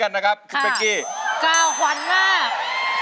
ร้องได้ให้ร้อง